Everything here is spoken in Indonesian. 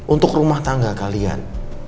untuk rumah tangga kalian